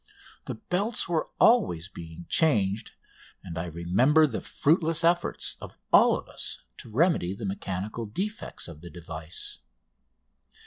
The belts were always being changed, and I remember the fruitless efforts of all of us to remedy the mechanical defects of the device.